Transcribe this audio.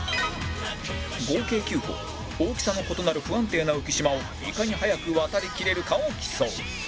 合計９個大きさの異なる不安定な浮島をいかに早く渡りきれるかを競う